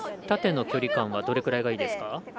縦の距離感はどれぐらいがいいですか？